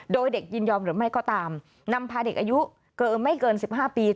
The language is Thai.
โดยเด็กยินยอมหรือไม่ก็ตามนำพาเด็กอายุเกินไม่เกิน๑๕ปี